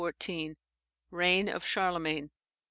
Reign of Charlemagne.